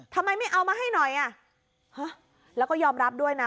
ทำไมไม่เอามาให้หน่อยอ่ะฮะแล้วก็ยอมรับด้วยนะ